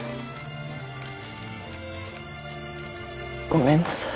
ごめんなさい。